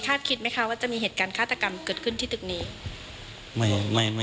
คิดไหมคะว่าจะมีเหตุการณ์ฆาตกรรมเกิดขึ้นที่ตึกนี้